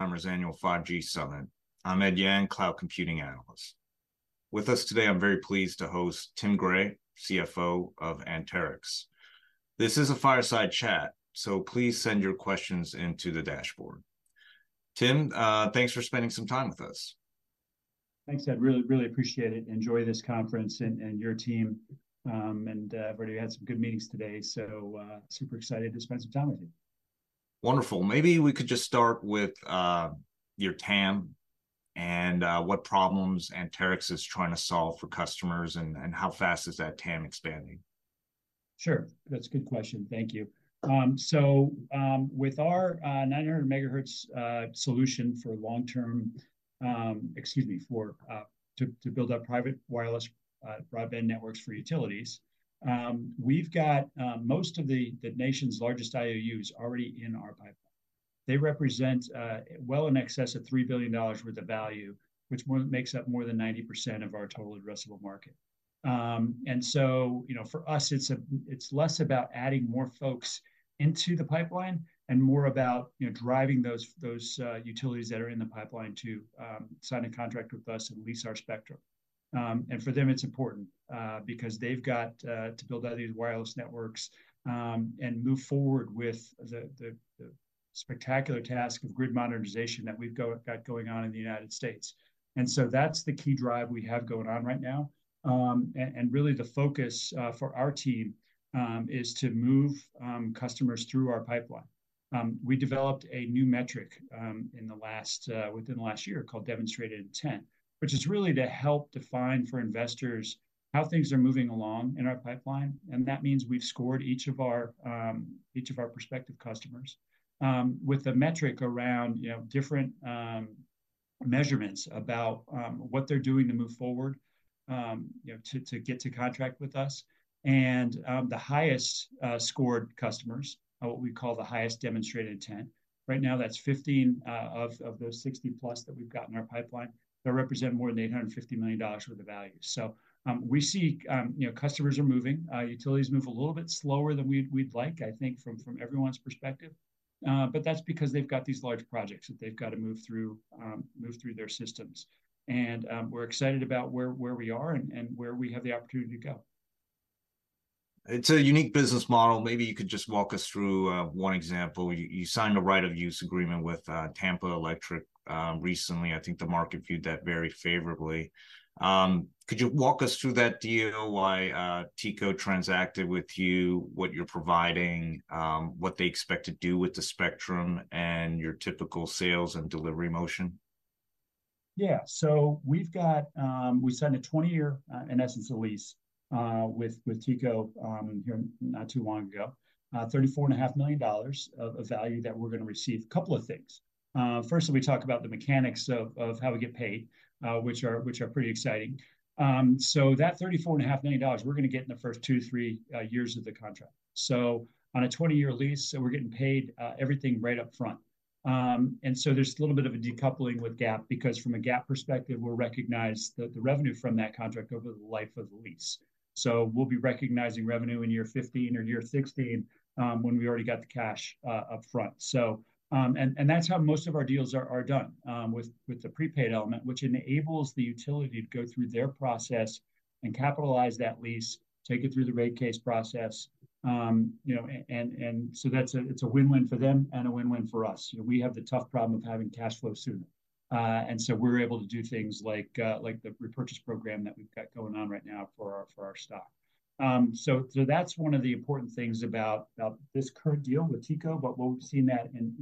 Annual 5G Summit. I'm Ed Yang, Cloud Computing Analyst. With us today, I'm very pleased to host Tim Gray, CFO of Anterix. This is a fireside chat, so please send your questions into the dashboard. Tim, thanks for spending some time with us. Thanks, Ed. Really, really appreciate it. Enjoy this conference and your team. Already had some good meetings today, so super excited to spend some time with you. Wonderful. Maybe we could just start with your TAM and what problems Anterix is trying to solve for customers, and how fast is that TAM expanding? Sure, that's a good question. Thank you. So, with our 900 MHz solution to build out private wireless broadband networks for utilities, we've got most of the nation's largest IOUs already in our pipeline. They represent well in excess of $3 billion worth of value, which makes up more than 90% of our total addressable market. And so, you know, for us, it's less about adding more folks into the pipeline and more about, you know, driving those utilities that are in the pipeline to sign a contract with us and lease our spectrum. And for them it's important, because they've got to build out these wireless networks, and move forward with the spectacular task of grid modernization that we've got going on in the United States. And so that's the key drive we have going on right now. And really the focus for our team is to move customers through our pipeline. We developed a new metric within the last year called Demonstrated Intent, which is really to help define for investors how things are moving along in our pipeline. And that means we've scored each of our prospective customers with a metric around, you know, different measurements about what they're doing to move forward, you know, to get to contract with us. And, the highest scored customers are what we call the highest Demonstrated Intent. Right now, that's 15 of those 60+ that we've got in our pipeline, that represent more than $850 million worth of value. So, we see, you know, customers are moving. Utilities move a little bit slower than we'd like, I think, from everyone's perspective. But that's because they've got these large projects that they've got to move through, move through their systems. And, we're excited about where we are and where we have the opportunity to go. It's a unique business model. Maybe you could just walk us through one example. You signed a right of use agreement with Tampa Electric recently. I think the market viewed that very favorably. Could you walk us through that deal, why TECO transacted with you, what you're providing, what they expect to do with the spectrum, and your typical sales and delivery motion? Yeah. So we've got... We signed a 20-year, in essence, a lease, with TECO, here not too long ago. $34.5 million of value that we're going to receive. A couple of things: firstly, we talk about the mechanics of how we get paid, which are pretty exciting. So that $34.5 million, we're going to get in the first 2, 3 years of the contract. So on a 20-year lease, so we're getting paid, everything right up front. And so there's a little bit of a decoupling with GAAP, because from a GAAP perspective, we'll recognize the revenue from that contract over the life of the lease. So we'll be recognizing revenue in year 15 or year 16, when we already got the cash up front. So, and that's how most of our deals are done, with the prepaid element, which enables the utility to go through their process and capitalize that lease, take it through the rate case process, you know, and so that's a, it's a win-win for them and a win-win for us. You know, we have the tough problem of having cash flow soon. And so we're able to do things like, like the repurchase program that we've got going on right now for our stock. So that's one of the important things about this current deal with TECO, but we've seen that in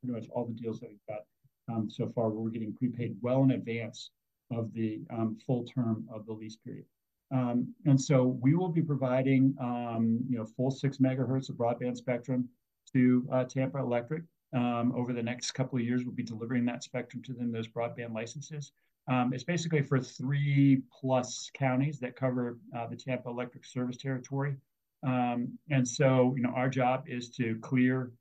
pretty much all the deals that we've got so far, where we're getting prepaid well in advance of the full term of the lease period. And so we will be providing, you know, full six megahertz of broadband spectrum to Tampa Electric. Over the next couple of years, we'll be delivering that spectrum to them, those broadband licenses. It's basically for three plus counties that cover the Tampa Electric service territory. And so, you know, our job is to clear,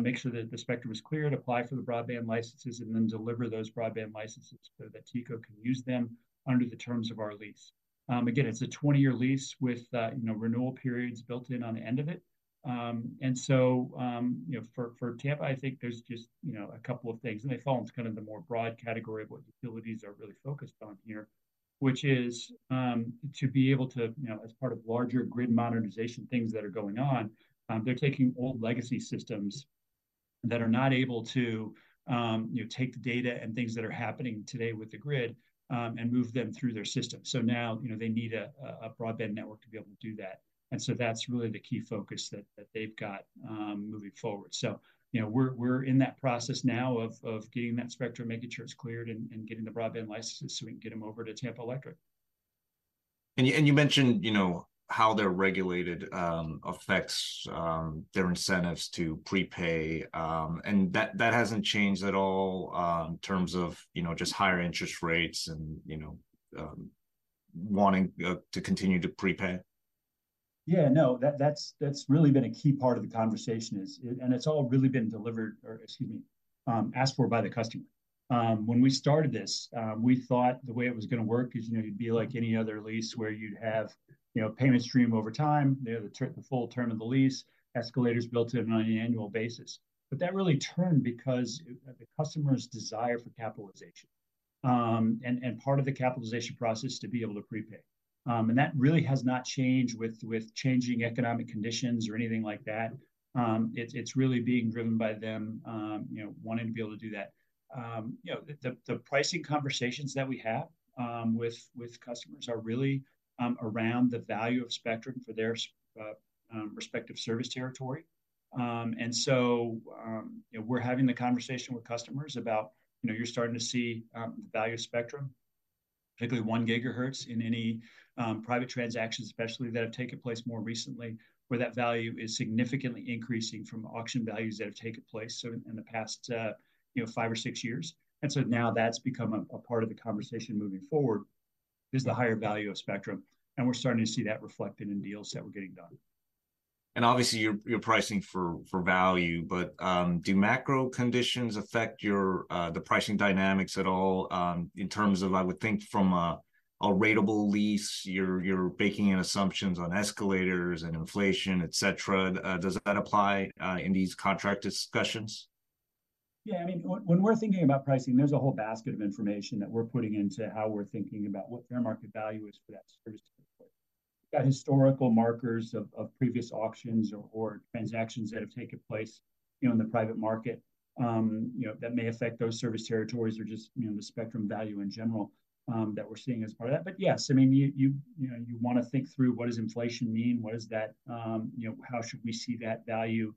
make sure that the spectrum is clear, to apply for the broadband licenses, and then deliver those broadband licenses so that TECO can use them under the terms of our lease. Again, it's a 20-year lease with, you know, renewal periods built in on the end of it. And so, you know, for Tampa, I think there's just, you know, a couple of things, and they fall into kind of the more broad category of what utilities are really focused on here, which is, to be able to, you know, as part of larger grid modernization, things that are going on, they're taking old legacy systems that are not able to, you know, take the data and things that are happening today with the grid, and move them through their system. So now, you know, they need a broadband network to be able to do that. And so that's really the key focus that they've got, moving forward. So, you know, we're in that process now of getting that spectrum, making sure it's cleared, and getting the broadband licenses so we can get them over to Tampa Electric. You mentioned, you know, how they're regulated affects their incentives to prepay, and that hasn't changed at all, in terms of, you know, just higher interest rates and, you know, wanting to continue to prepay? Yeah, no, that's really been a key part of the conversation. And it's all really been delivered, or excuse me, asked for by the customer. When we started this, we thought the way it was going to work is, you know, it'd be like any other lease where you'd have, you know, payment stream over time, you know, the full term of the lease, escalators built in on an annual basis. But that really turned because the customer's desire for capitalization, and part of the capitalization process to be able to prepay. And that really has not changed with changing economic conditions or anything like that. It's really being driven by them, you know, wanting to be able to do that. You know, the pricing conversations that we have with customers are really around the value of spectrum for their respective service territory. And so, you know, we're having the conversation with customers about, you know, you're starting to see the value of spectrum, particularly 1 gigahertz in any private transactions, especially that have taken place more recently, where that value is significantly increasing from auction values that have taken place, so in the past, you know, 5 or 6 years. And so now that's become a part of the conversation moving forward, is the higher value of spectrum, and we're starting to see that reflected in deals that we're getting done. Obviously, you're pricing for value, but do macro conditions affect your the pricing dynamics at all, in terms of, I would think from a ratable lease, you're baking in assumptions on escalators and inflation, et cetera. Does that apply in these contract discussions? Yeah, I mean, when we're thinking about pricing, there's a whole basket of information that we're putting into how we're thinking about what fair market value is for that service territory. We've got historical markers of previous auctions or transactions that have taken place, you know, in the private market, you know, that may affect those service territories or just, you know, the spectrum value in general, that we're seeing as part of that. But yes, I mean, you know, you want to think through what does inflation mean? What does that, you know... How should we see that value,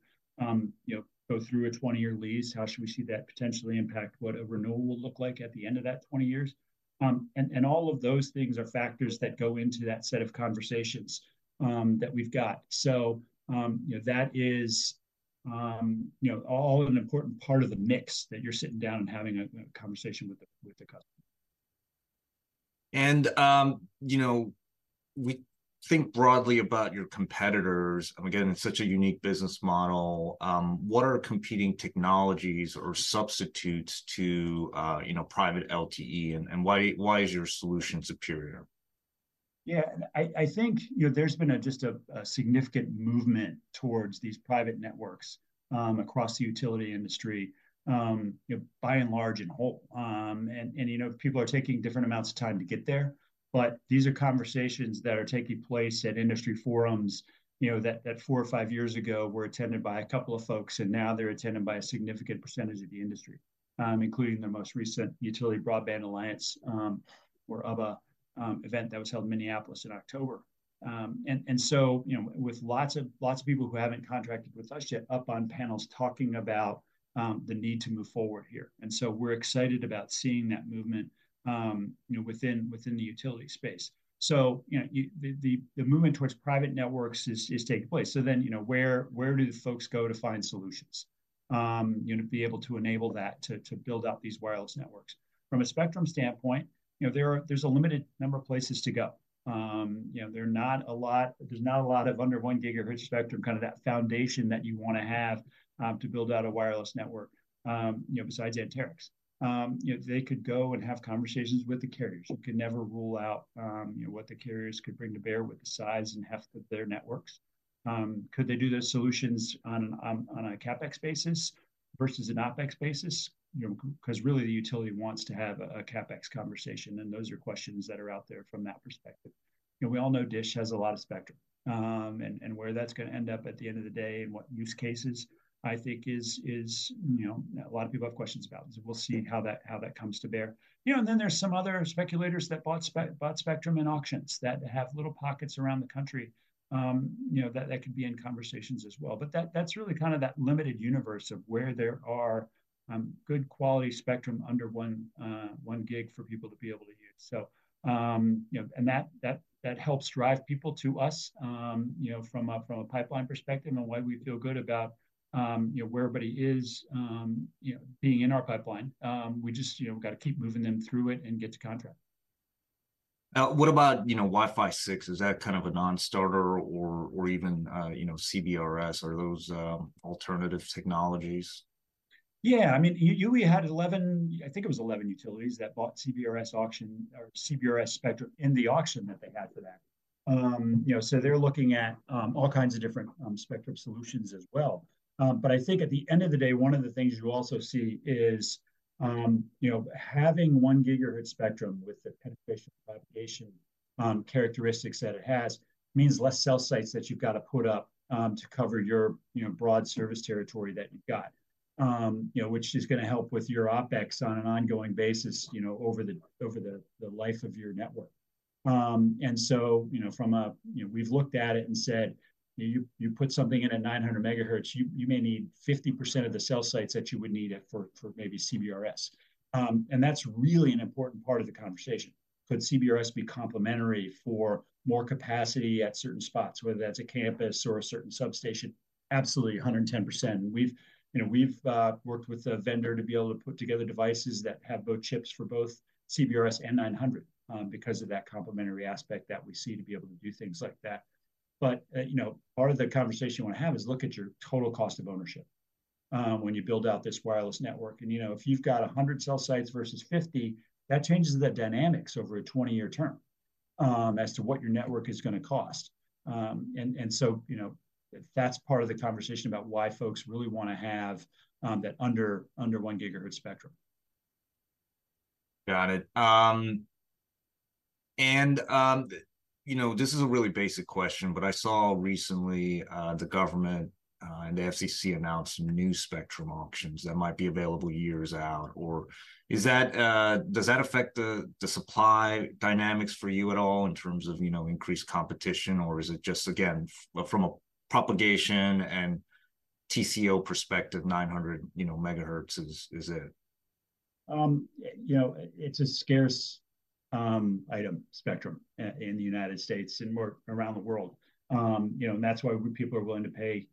you know, go through a 20-year lease? How should we see that potentially impact what a renewal will look like at the end of that 20 years? And all of those things are factors that go into that set of conversations that we've got. So, you know, that is, you know, all an important part of the mix that you're sitting down and having a conversation with the customer. And, you know, we think broadly about your competitors, and again, it's such a unique business model. What are competing technologies or substitutes to, you know, private LTE, and why is your solution superior? Yeah, I think, you know, there's been just a significant movement towards these private networks across the utility industry, you know, by and large and whole. And you know, people are taking different amounts of time to get there, but these are conversations that are taking place at industry forums, you know, that four or five years ago were attended by a couple of folks, and now they're attended by a significant percentage of the industry, including the most recent Utility Broadband Alliance, or UBBA, event that was held in Minneapolis in October. And so, you know, with lots of people who haven't contracted with us yet up on panels talking about the need to move forward here, and so we're excited about seeing that movement, you know, within the utility space. So, you know, the movement towards private networks is taking place. So then, you know, where do the folks go to find solutions, you know, be able to enable that to build out these wireless networks? From a spectrum standpoint, you know, there's a limited number of places to go. You know, there's not a lot of under one gigahertz spectrum, kind of that foundation that you want to have, to build out a wireless network, you know, besides Anterix. You know, they could go and have conversations with the carriers. You could never rule out, you know, what the carriers could bring to bear with the size and heft of their networks. Could they do those solutions on a CapEx basis versus an OpEx basis? You know, 'cause really the utility wants to have a, a CapEx conversation, and those are questions that are out there from that perspective. You know, we all know Dish has a lot of spectrum, and where that's gonna end up at the end of the day and what use cases, I think is, you know, a lot of people have questions about, and so we'll see how that comes to bear. You know, and then there's some other speculators that bought spectrum in auctions, that have little pockets around the country. You know, that could be in conversations as well. But that's really kind of that limited universe of where there are good quality spectrum under one, one gig for people to be able to use. So, you know, and that helps drive people to us, you know, from a pipeline perspective and why we feel good about, you know, where everybody is, you know, being in our pipeline. We just, you know, got to keep moving them through it and get to contract. Now, what about, you know, Wi-Fi 6? Is that kind of a non-starter or even, you know, CBRS or those alternative technologies? Yeah, I mean, IOUs had 11, I think it was 11 utilities that bought CBRS auction or CBRS spectrum in the auction that they had for that. You know, so they're looking at all kinds of different spectrum solutions as well. But I think at the end of the day, one of the things you also see is, you know, having 1 gigahertz spectrum with the penetration characteristics that it has, means less cell sites that you've got to put up to cover your, you know, broad service territory that you've got, you know, which is gonna help with your OpEx on an ongoing basis, you know, over the, over the, the life of your network. And so, you know, from a... You know, we've looked at it and said, "You put something in at 900 MHz, you may need 50% of the cell sites that you would need it for, for maybe CBRS." And that's really an important part of the conversation. Could CBRS be complementary for more capacity at certain spots, whether that's a campus or a certain substation? Absolutely, 110%. We've, you know, we've worked with a vendor to be able to put together devices that have both chips for both CBRS and 900, because of that complementary aspect that we see to be able to do things like that. But, you know, part of the conversation you want to have is look at your total cost of ownership, when you build out this wireless network. you know, if you've got 100 cell sites versus 50, that changes the dynamics over a 20-year term as to what your network is gonna cost. And so, you know, that's part of the conversation about why folks really wanna have that under 1GHz spectrum. Got it. And, you know, this is a really basic question, but I saw recently, the government, and the FCC announce some new spectrum auctions that might be available years out. Or is that? Does that affect the supply dynamics for you at all in terms of, you know, increased competition? Or is it just, again, from a propagation and TCO perspective, 900, you know, megahertz is it? You know, it's a scarce item, spectrum, in the United States and more around the world. You know, and that's why people are willing to pay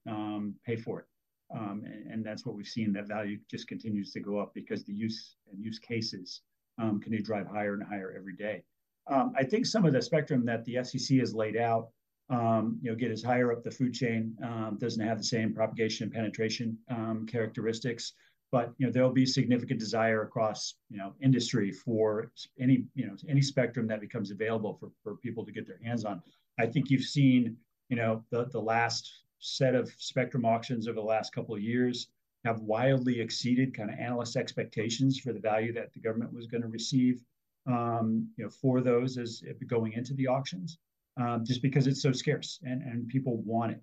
for it. And that's what we've seen, that value just continues to go up because the use and use cases continue to drive higher and higher every day. I think some of the spectrum that the FCC has laid out, you know, get us higher up the food chain, doesn't have the same propagation and penetration characteristics, but you know, there'll be significant desire across, you know, industry for any, you know, any spectrum that becomes available for people to get their hands on. I think you've seen, you know, the, the last set of spectrum auctions over the last couple of years have wildly exceeded kind of analyst expectations for the value that the government was gonna receive, you know, for those as it going into the auctions, just because it's so scarce, and, and people want it,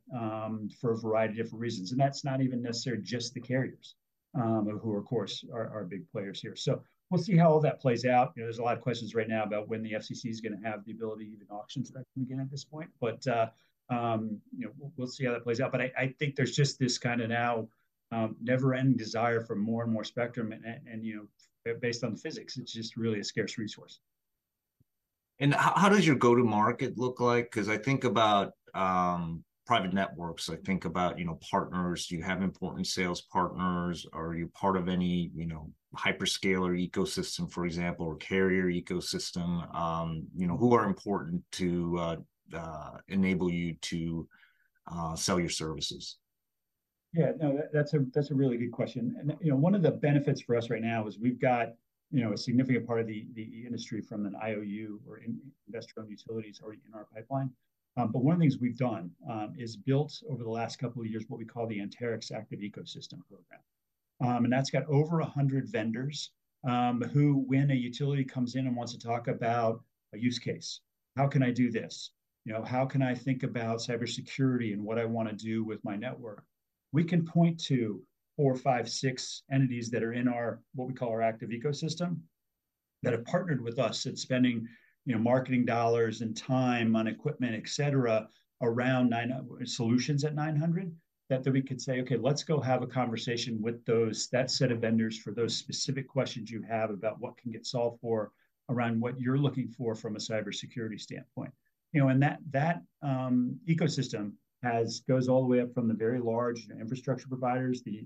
for a variety of different reasons. And that's not even necessarily just the carriers, who, of course, are, are big players here. So we'll see how all that plays out. You know, there's a lot of questions right now about when the FCC is gonna have the ability to even auction spectrum again at this point. But, you know, we'll, we'll see how that plays out. But I think there's just this kind of now never-ending desire for more and more spectrum, and you know, based on the physics, it's just really a scarce resource. How does your go-to-market look like? 'Cause I think about private networks, I think about, you know, partners. Do you have important sales partners? Are you part of any, you know, hyperscaler ecosystem, for example, or carrier ecosystem, you know, who are important to enable you to sell your services? Yeah, no, that's a really good question. You know, one of the benefits for us right now is we've got, you know, a significant part of the industry from an IOU or investor-owned utilities already in our pipeline. But one of the things we've done is built over the last couple of years what we call the Anterix Active Ecosystem Program. And that's got over 100 vendors who, when a utility comes in and wants to talk about a use case, "How can I do this? You know, how can I think about cybersecurity and what I wanna do with my network?" We can point to 4, 5, 6 entities that are in our, what we call our Active Ecosystem, that have partnered with us and spending, you know, marketing dollars and time on equipment, et cetera, around 900 solutions at 900, that we could say, "Okay, let's go have a conversation with that set of vendors for those specific questions you have about what can get solved for around what you're looking for from a cybersecurity standpoint." You know, and that Ecosystem goes all the way up from the very large infrastructure providers, the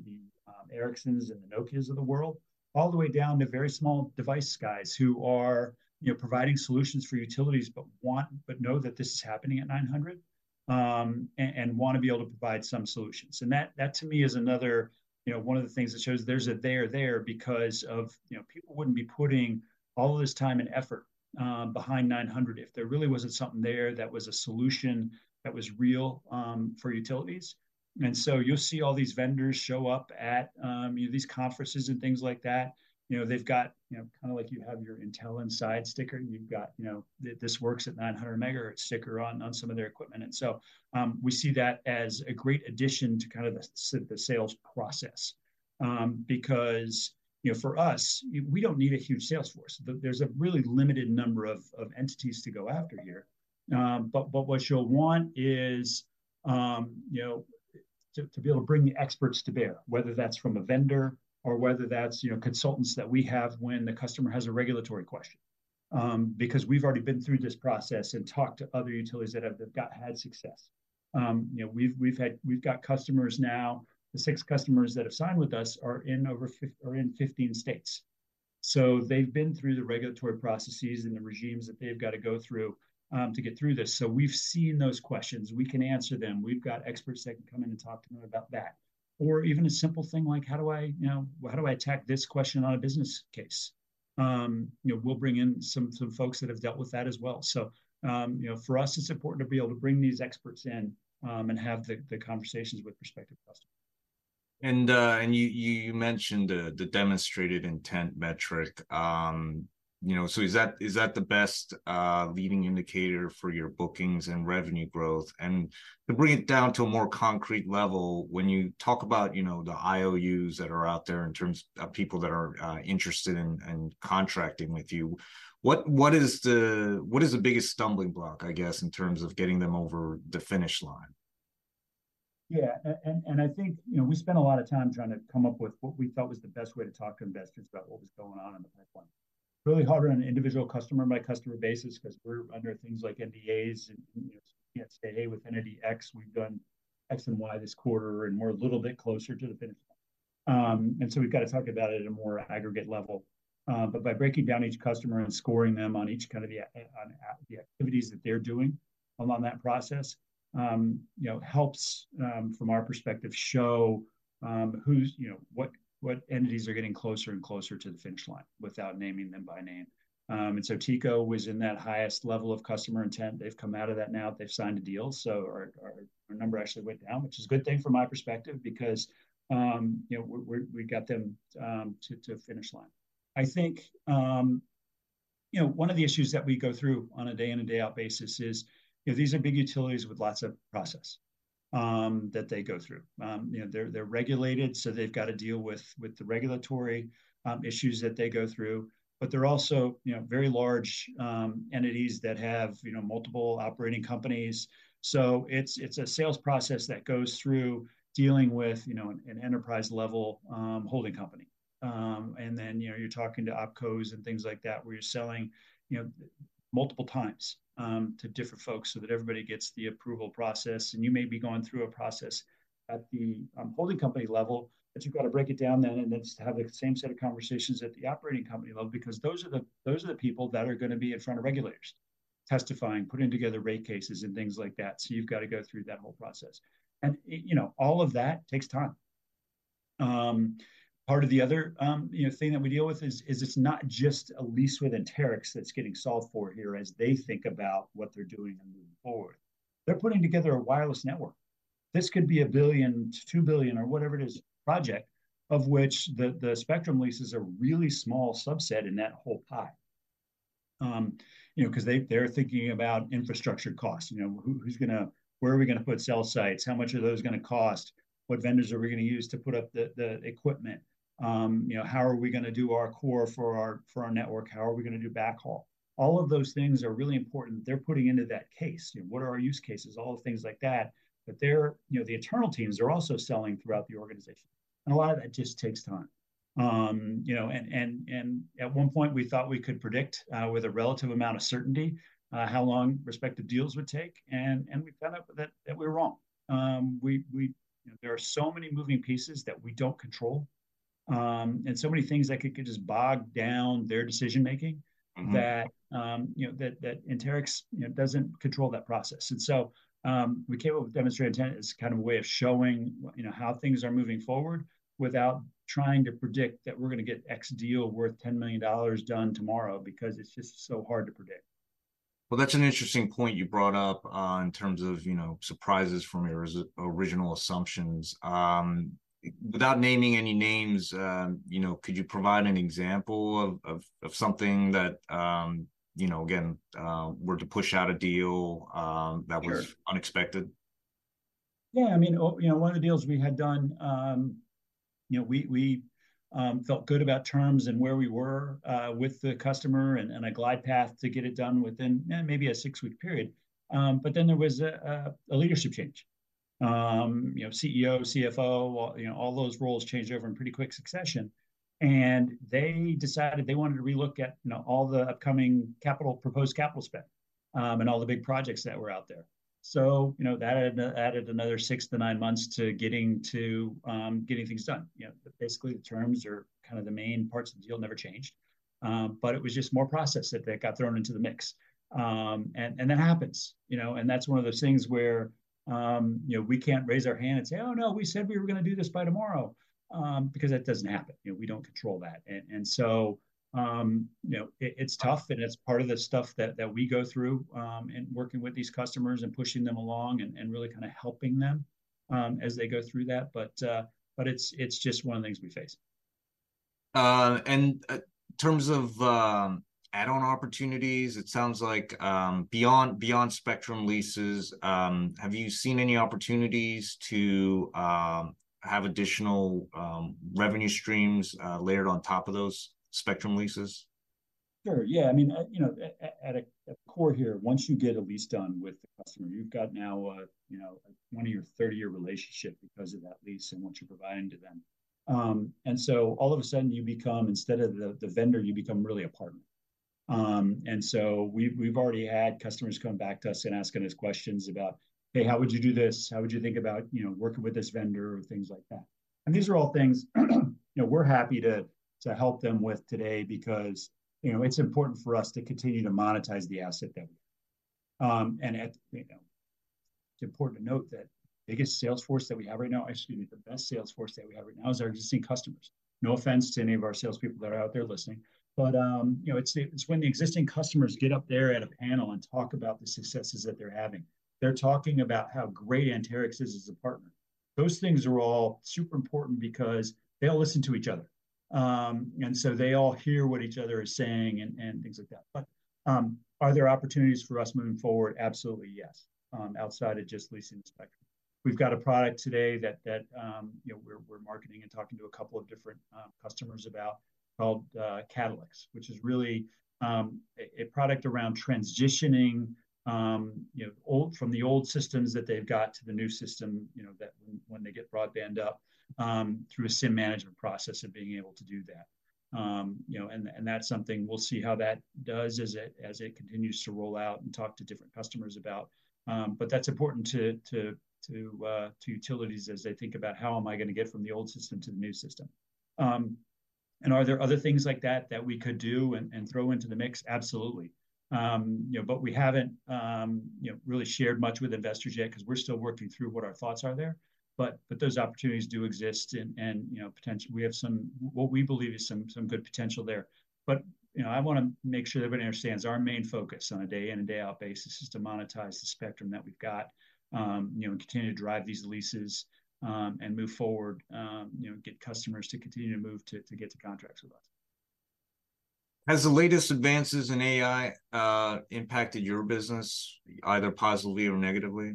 Ericsson and the Nokia of the world, all the way down to very small device guys who are, you know, providing solutions for utilities, but know that this is happening at 900, and wanna be able to provide some solutions. And that, that to me is another, you know, one of the things that shows there's a there there because of, you know, people wouldn't be putting all this time and effort behind 900 if there really wasn't something there that was a solution that was real for utilities. And so you'll see all these vendors show up at, you know, these conferences and things like that. You know, they've got, you know, kind of like you have your Intel Inside sticker, and you've got, you know, "This works at 900 MHz" sticker on some of their equipment. And so, we see that as a great addition to kind of the sales process. Because, you know, for us, we don't need a huge sales force. There's a really limited number of entities to go after here. But what you'll want is, you know, to be able to bring the experts to bear, whether that's from a vendor or whether that's, you know, consultants that we have when the customer has a regulatory question, because we've already been through this process and talked to other utilities that have had success. You know, we've got customers now, the six customers that have signed with us are in over 15 states. So they've been through the regulatory processes and the regimes that they've got to go through, to get through this. So we've seen those questions. We can answer them. We've got experts that can come in and talk to them about that. Or even a simple thing like, "How do I, you know, how do I attack this question on a business case?" You know, we'll bring in some folks that have dealt with that as well. So, you know, for us, it's important to be able to bring these experts in, and have the conversations with prospective customers. You mentioned the Demonstrated Intent metric. You know, so is that the best leading indicator for your bookings and revenue growth? And to bring it down to a more concrete level, when you talk about, you know, the IOUs that are out there in terms of people that are interested in and contracting with you, what is the biggest stumbling block, I guess, in terms of getting them over the finish line? Yeah, and I think, you know, we spent a lot of time trying to come up with what we felt was the best way to talk to investors about what was going on in the pipeline. Really harder on an individual customer by customer basis, 'cause we're under things like NDAs and, you know, can't say, "Hey, with entity X, we've done X and Y this quarter, and we're a little bit closer to the finish line." And so we've gotta talk about it at a more aggregate level. But by breaking down each customer and scoring them on each, kind of, the activities that they're doing along that process, you know, helps from our perspective show who's, you know, what, what entities are getting closer and closer to the finish line, without naming them by name. And so TECO was in that highest level of customer intent. They've come out of that now. They've signed a deal, so our number actually went down, which is a good thing from my perspective because, you know, we got them to the finish line. I think, you know, one of the issues that we go through on a day in and day out basis is, you know, these are big utilities with lots of process that they go through. You know, they're regulated, so they've got to deal with the regulatory issues that they go through, but they're also, you know, very large entities that have, you know, multiple operating companies. So it's a sales process that goes through dealing with, you know, an enterprise-level holding company. And then, you know, you're talking to opcos and things like that, where you're selling, you know, multiple times to different folks so that everybody gets the approval process. And you may be going through a process at the holding company level, but you've got to break it down then and then to have the same set of conversations at the operating company level, because those are the, those are the people that are gonna be in front of regulators, testifying, putting together rate cases, and things like that. So you've got to go through that whole process. And you know, all of that takes time. Part of the other, you know, thing that we deal with is, is it's not just a lease with Anterix that's getting solved for here, as they think about what they're doing and moving forward. They're putting together a wireless network. This could be $1 billion to $2 billion, or whatever it is, project, of which the spectrum lease is a really small subset in that whole pie. You know, 'cause they're thinking about infrastructure costs. You know, who, who's gonna... Where are we gonna put cell sites? How much are those gonna cost? What vendors are we gonna use to put up the equipment? You know, how are we gonna do our core for our network? How are we gonna do backhaul? All of those things are really important. They're putting into that case. You know, what are our use cases? All the things like that, but they're you know, the internal teams are also selling throughout the organization, and a lot of that just takes time. You know, and at one point, we thought we could predict with a relative amount of certainty how long respective deals would take, and we found out that we were wrong. You know, there are so many moving pieces that we don't control, and so many things that could just bog down their decision-making. Mm-hmm... that, you know, that Anterix, you know, doesn't control that process. And so, we came up with Demonstrated Intent as kind of a way of showing, you know, how things are moving forward without trying to predict that we're gonna get X deal worth $10 million done tomorrow, because it's just so hard to predict. Well, that's an interesting point you brought up in terms of, you know, surprises from your original assumptions. Without naming any names, you know, could you provide an example of something that, you know, again, were to push out a deal, that was- Sure... unexpected? Yeah, I mean, you know, one of the deals we had done, you know, we felt good about terms and where we were with the customer and a glide path to get it done within maybe a six-week period. But then there was a leadership change. You know, CEO, CFO, all those roles changed over in pretty quick succession, and they decided they wanted to re-look at, you know, all the upcoming capital, proposed capital spend and all the big projects that were out there. So, you know, that added another six to nine months to getting to getting things done. You know, basically, the terms or kind of the main parts of the deal never changed, but it was just more process that got thrown into the mix. That happens, you know, and that's one of those things where, you know, we can't raise our hand and say, "Oh, no, we said we were gonna do this by tomorrow," because that doesn't happen. You know, we don't control that. You know, it's tough, and it's part of the stuff that we go through in working with these customers and pushing them along and really kind of helping them as they go through that. It's just one of the things we face. In terms of add-on opportunities, it sounds like, beyond spectrum leases, have you seen any opportunities to have additional revenue streams layered on top of those spectrum leases? Sure, yeah. I mean, you know, at core here, once you get a lease done with the customer, you've got now a, you know, a 20- or 30-year relationship because of that lease and what you're providing to them. And so all of a sudden, you become, instead of the vendor, you become really a partner. And so we've already had customers come back to us and asking us questions about, "Hey, how would you do this? How would you think about, you know, working with this vendor?" or things like that. And these are all things, you know, we're happy to help them with today because, you know, it's important for us to continue to monetize the asset that we. And at, you know, it's important to note that the biggest sales force that we have right now... Excuse me, the best sales force that we have right now is our existing customers. No offense to any of our salespeople that are out there listening, but, you know, it's the, it's when the existing customers get up there at a panel and talk about the successes that they're having. They're talking about how great Anterix is as a partner. Those things are all super important because they all listen to each other. And so they all hear what each other is saying and, and things like that. But, are there opportunities for us moving forward? Absolutely, yes, outside of just leasing the spectrum. We've got a product today that you know, we're marketing and talking to a couple of different customers about, called CatalyX, which is really a product around transitioning you know from the old systems that they've got to the new system, you know, that when they get broadband up through a SIM management process and being able to do that. You know, and that's something we'll see how that does as it continues to roll out and talk to different customers about. But that's important to utilities as they think about: How am I gonna get from the old system to the new system? And are there other things like that that we could do and throw into the mix? Absolutely. You know, but we haven't, you know, really shared much with investors yet, 'cause we're still working through what our thoughts are there. But those opportunities do exist and, you know, we have some, what we believe is some good potential there. But, you know, I wanna make sure everyone understands our main focus on a day in and day out basis is to monetize the spectrum that we've got, you know, and continue to drive these leases, and move forward, you know, get customers to continue to move to get to contracts with us. Has the latest advances in AI impacted your business, either positively or negatively?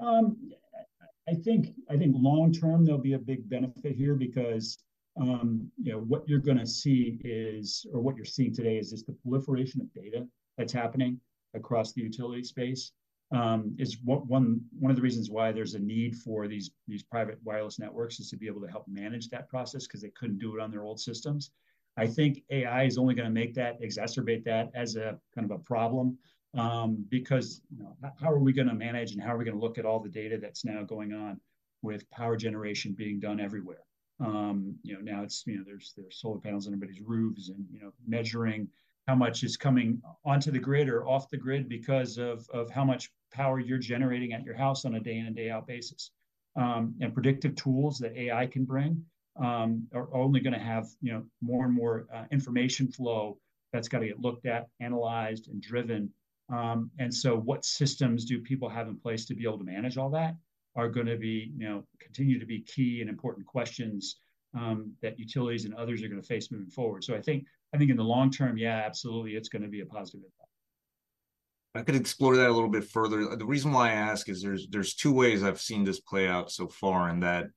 I think long term there'll be a big benefit here because, you know, what you're gonna see is—or what you're seeing today is the proliferation of data that's happening across the utility space. It's one of the reasons why there's a need for these private wireless networks, is to be able to help manage that process, 'cause they couldn't do it on their old systems. I think AI is only gonna make that, exacerbate that as a kind of a problem, because, you know, how are we gonna manage, and how are we gonna look at all the data that's now going on with power generation being done everywhere? You know, now it's, you know, there's solar panels on everybody's roofs and, you know, measuring how much is coming onto the grid or off the grid because of how much power you're generating at your house on a day in and day out basis. And predictive tools that AI can bring are only gonna have, you know, more and more information flow that's gotta get looked at, analyzed, and driven. And so what systems do people have in place to be able to manage all that are gonna be, you know, continue to be key and important questions that utilities and others are gonna face moving forward. So I think, I think in the long term, yeah, absolutely, it's gonna be a positive impact. If I could explore that a little bit further. The reason why I ask is there's two ways I've seen this play out so far, in that,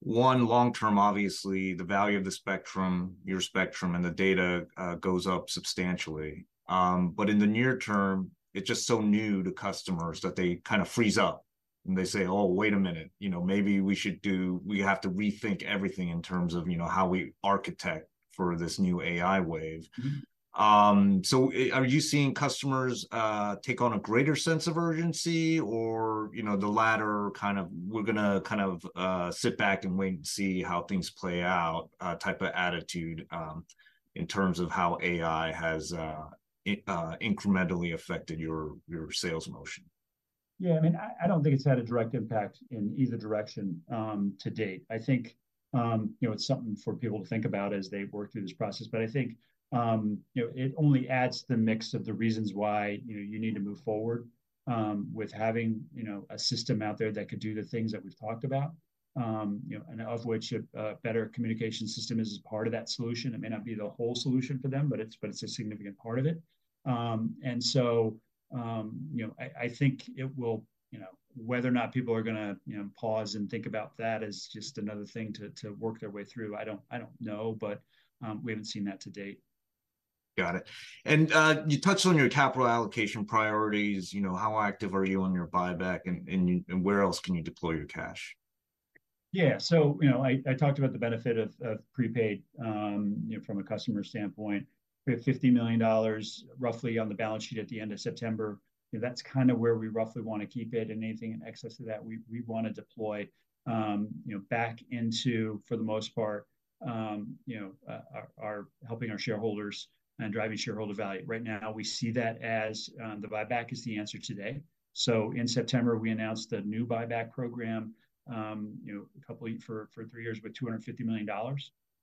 one, long term, obviously, the value of the spectrum, your spectrum and the data, goes up substantially. But in the near term, it's just so new to customers that they kind of freeze up, and they say, "Oh, wait a minute, you know, maybe we should do, we have to rethink everything in terms of, you know, how we architect for this new AI wave. Mm-hmm. So are you seeing customers take on a greater sense of urgency or, you know, the latter, kind of, "We're gonna, kind of, sit back and wait and see how things play out," type of attitude, in terms of how AI has incrementally affected your, your sales motion? Yeah, I mean, I don't think it's had a direct impact in either direction, to date. I think, you know, it's something for people to think about as they work through this process. But I think, you know, it only adds to the mix of the reasons why, you know, you need to move forward, with having, you know, a system out there that could do the things that we've talked about. You know, and of which a better communication system is a part of that solution. It may not be the whole solution for them, but it's a significant part of it. And so, you know, I think it will... You know, whether or not people are gonna, you know, pause and think about that as just another thing to work their way through, I don't know. But, we haven't seen that to date. Got it. And, you touched on your capital allocation priorities. You know, how active are you on your buyback, and where else can you deploy your cash? Yeah. So, you know, I, I talked about the benefit of, of prepaid, you know, from a customer standpoint. We had $50 million roughly on the balance sheet at the end of September, and that's kind of where we roughly want to keep it, and anything in excess of that, we, we wanna deploy, you know, back into, for the most part, you know, our, our, helping our shareholders and driving shareholder value. Right now, we see that as, the buyback is the answer today. So in September, we announced a new buyback program, you know, a couple year-- for, for three years, with $250 million.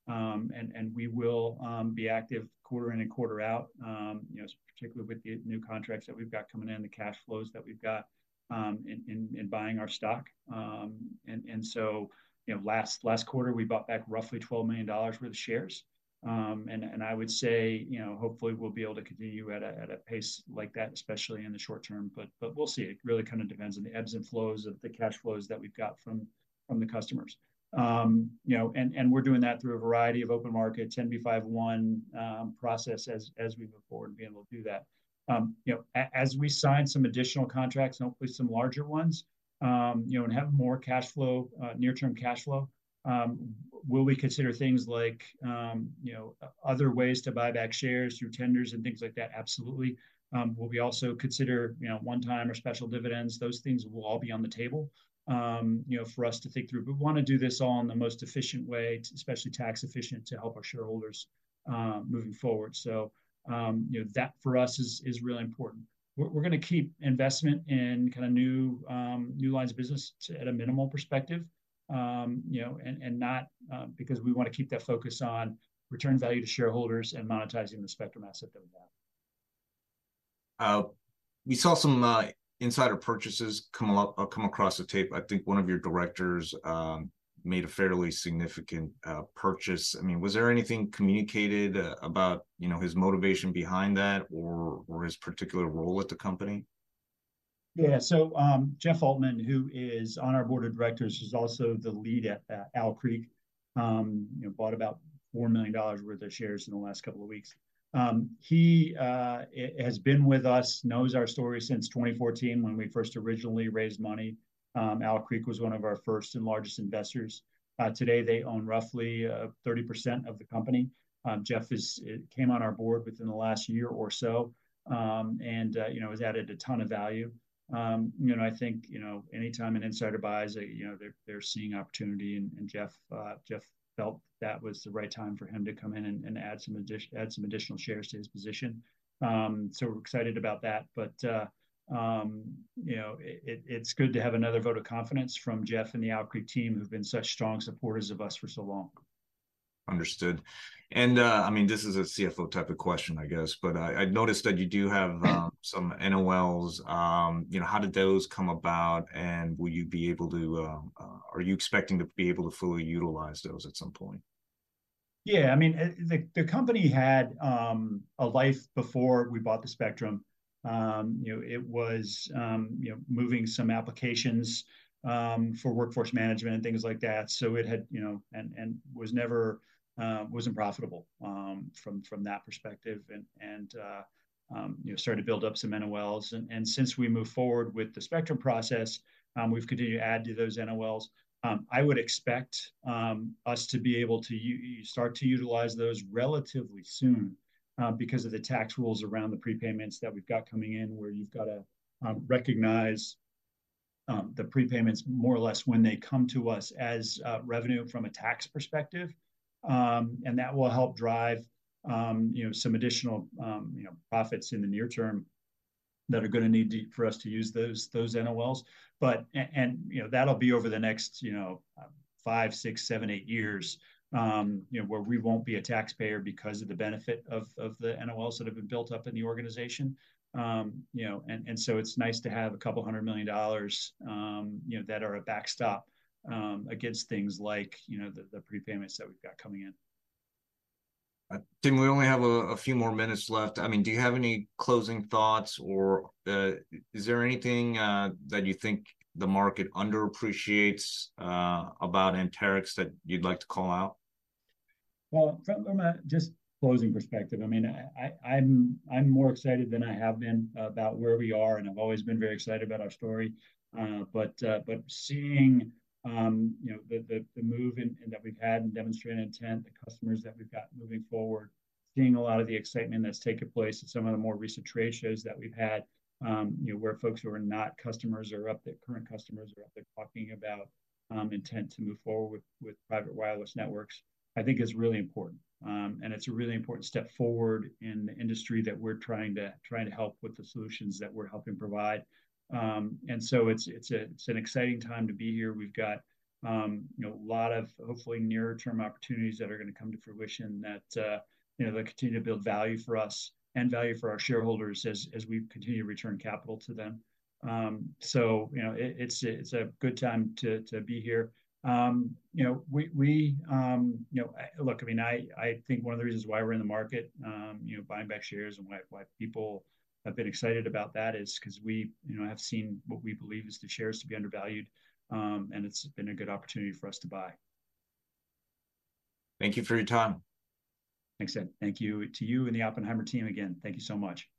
And we will be active quarter in and quarter out, you know, particularly with the new contracts that we've got coming in and the cash flows that we've got in buying our stock. And so, you know, last quarter, we bought back roughly $12 million worth of shares. And I would say, you know, hopefully we'll be able to continue at a pace like that, especially in the short term. But we'll see. It really kind of depends on the ebbs and flows of the cash flows that we've got from the customers. You know, and we're doing that through a variety of open markets, 10b5-1 process as we move forward, being able to do that. You know, as we sign some additional contracts, and hopefully some larger ones, you know, and have more cash flow, near-term cash flow, will we consider things like, you know, other ways to buy back shares through tenders and things like that? Absolutely. Will we also consider, you know, one-time or special dividends? Those things will all be on the table, you know, for us to think through. We wanna do this all in the most efficient way, especially tax efficient, to help our shareholders, moving forward. So, you know, that, for us, is really important. We're gonna keep investment in kind of new, new lines of business to a minimal perspective. You know, and not, Because we wanna keep that focus on return value to shareholders and monetizing the spectrum asset that we have. We saw some insider purchases come across the tape. I think one of your directors made a fairly significant purchase. I mean, was there anything communicated about, you know, his motivation behind that or his particular role at the company? Yeah. So, Jeff Altman, who is on our Board of Directors, who's also the lead at Owl Creek, you know, bought about $4 million worth of shares in the last couple of weeks. He has been with us, knows our story since 2014, when we first originally raised money. Owl Creek was one of our first and largest investors. Today, they own roughly 30% of the company. Jeff came on our Board within the last year or so, and you know, has added a ton of value. You know, I think, you know, anytime an insider buys, you know, they're seeing opportunity, and Jeff felt that was the right time for him to come in and add some additional shares to his position. So we're excited about that, but, you know, it's good to have another vote of confidence from Jeff and the Owl Creek team, who've been such strong supporters of us for so long. ... understood. And, I mean, this is a CFO type of question, I guess, but, I noticed that you do have some NOLs. You know, how did those come about, and will you be able to... Are you expecting to be able to fully utilize those at some point? Yeah, I mean, the company had a life before we bought the spectrum. You know, it was, you know, moving some applications for workforce management and things like that. So it had, you know, was never, wasn't profitable from that perspective and, you know, started to build up some NOLs. And since we moved forward with the spectrum process, we've continued to add to those NOLs. I would expect us to be able to start to utilize those relatively soon because of the tax rules around the prepayments that we've got coming in, where you've got to recognize the prepayments more or less when they come to us as revenue from a tax perspective. And that will help drive, you know, some additional, you know, profits in the near term that are gonna need for us to use those, those NOLs. But and, you know, that'll be over the next, you know, 5, 6, 7, 8 years, you know, where we won't be a taxpayer because of the benefit of, of the NOLs that have been built up in the organization. You know, and so it's nice to have $200 million, you know, that are a backstop, against things like, you know, the, the prepayments that we've got coming in. Tim, we only have a few more minutes left. I mean, do you have any closing thoughts or is there anything that you think the market underappreciates about Anterix that you'd like to call out? Well, from a just closing perspective, I mean, I'm more excited than I have been about where we are, and I've always been very excited about our story. But seeing, you know, the move and that we've had and Demonstrated Intent, the customers that we've got moving forward, seeing a lot of the excitement that's taken place at some of the more recent trade shows that we've had, you know, where folks who are not customers are up there, current customers are up there talking about intent to move forward with private wireless networks, I think is really important. And it's a really important step forward in the industry that we're trying to help with the solutions that we're helping provide. And so it's an exciting time to be here. We've got, you know, a lot of hopefully nearer-term opportunities that are gonna come to fruition that, you know, that continue to build value for us and value for our shareholders as we continue to return capital to them. So, you know, it's a good time to be here. You know, look, I mean, I think one of the reasons why we're in the market, you know, buying back shares and why people have been excited about that is 'cause we, you know, have seen what we believe is the shares to be undervalued. And it's been a good opportunity for us to buy. Thank you for your time. Thanks, Ed. Thank you to you and the Oppenheimer team again. Thank you so much.